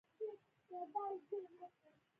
موفقیت د هغه څه په لاس راوړل دي.